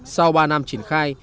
sau ba năm triển khai